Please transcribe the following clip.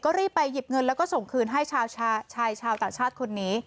รีบไปหยิบเงินแล้วก็ส่งคืนให้ชายชาวต่างชาติคนนี้